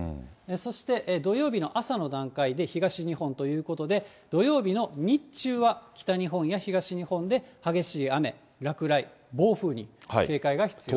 そして土曜日の朝の段階で東日本ということで、土曜日の日中は北日本や東日本で激しい雨、落雷、暴風に警戒が必要です。